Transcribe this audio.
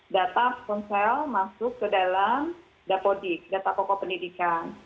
data ponsel masuk ke dalam dapodik data pokok pendidikan